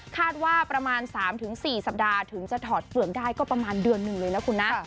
ประมาณ๓๔สัปดาห์ถึงจะถอดเปลือกได้ก็ประมาณเดือนหนึ่งเลยนะคุณนะ